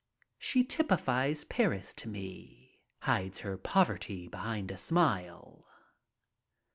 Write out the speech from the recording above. She typifies Paris to me. Hides her poverty behind a smile.